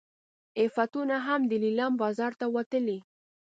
عفتونه هم د لیلام بازار ته وتلي.